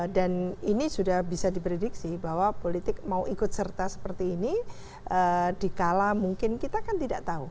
dan ini sudah bisa diprediksi bahwa politik mau ikut serta seperti ini dikala mungkin kita kan tidak tahu